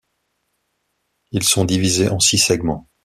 Ils sont divisés en six segments.